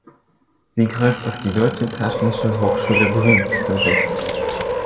Sie greift auf die Deutsche Technische Hochschule Brünn zurück.